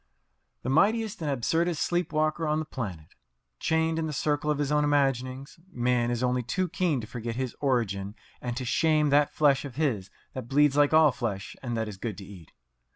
The mightiest and absurdest sleep walker on the planet! Chained in the circle of his own imaginings, man is only too keen to forget his origin and to shame that flesh of his that bleeds like all flesh and that is good to eat.